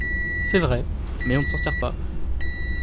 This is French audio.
C’est vrai ! mais on ne s’en sert pas…